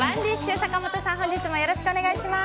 坂本さん、本日もよろしくお願いします。